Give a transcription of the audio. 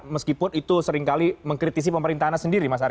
meskipun itu seringkali mengkritisi pemerintahnya sendiri mas ari